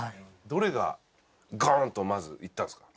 どれがガーンとまずいったんですか？